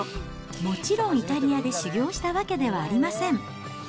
もちろんイタリアで修業したわけではありません。